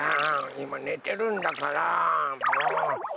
いまねてるんだからもう。